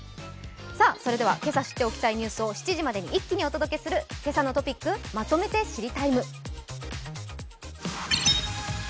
それではけさ知っておきたいニュースを７時までにお届けする「けさのトピックまとめて知りＴＩＭＥ，」。